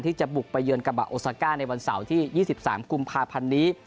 ที่จะบุกไปเยือนกระบะโอซาก้าในวันเสาร์ที่๒๓กุมภาพันธ์นี้